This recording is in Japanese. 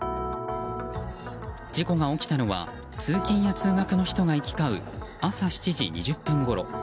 事故が起きたのは通勤や通学の人が行き交う朝７時２０分ごろ。